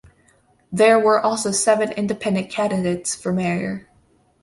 There were also seven independent candidates for mayor.